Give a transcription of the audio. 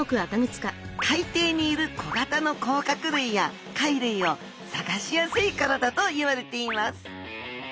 海底にいる小型の甲殻類や貝類を探しやすいからだといわれています